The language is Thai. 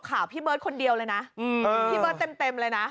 ข่าวพี่เบิร์ตคนเดียวเลยนะพี่เบิร์ตเต็มเลยนะ